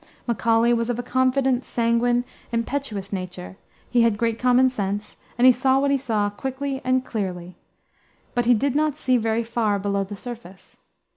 Macaulay was of a confident, sanguine, impetuous nature. He had great common sense, and he saw what he saw quickly and clearly, but he did not see very far below the surface.